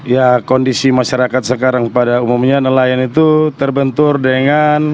ya kondisi masyarakat sekarang pada umumnya nelayan itu terbentur dengan